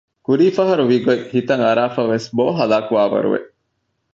ކުރީފަހަރު ވިގޮތް ހިތަށް އަރައިފަވެސް ބޯ ހަލާކުވާ ވަރު ވެ